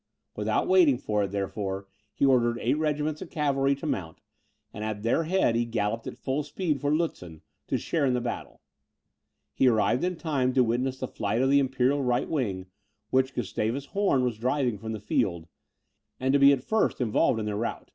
Without waiting for it, therefore, he ordered eight regiments of cavalry to mount; and at their head he galloped at full speed for Lutzen, to share in the battle. He arrived in time to witness the flight of the imperial right wing, which Gustavus Horn was driving from the field, and to be at first involved in their rout.